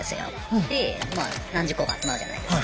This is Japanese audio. でまあ何十個か集まるじゃないですか。